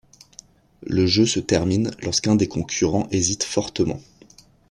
Le jeu se termine lorsqu'un des concurrents hésite fortement.